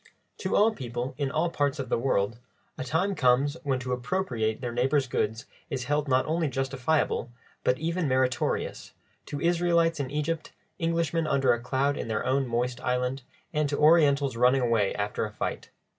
To all people in all parts of the world, a time comes when to appropriate their neighbour's goods is held not only justifiable, but even meritorious; to Israelites in Egypt, Englishmen under a cloud in their own moist island, and to Orientals running away after a fight.